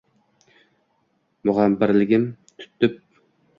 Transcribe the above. Mug`ambirligim tutib